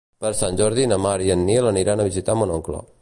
Per Sant Jordi na Mar i en Nil aniran a visitar mon oncle.